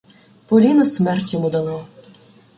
Поліно смерть йому дало.